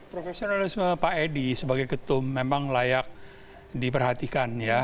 profesionalisme pak edi sebagai ketum memang layak diperhatikan ya